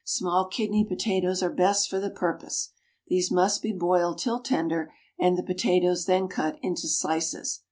Small kidney potatoes are best for the purpose. These must be boiled till tender, and the potatoes then cut into slices.